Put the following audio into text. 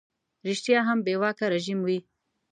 ریشتیا هم بې واکه رژیم وي.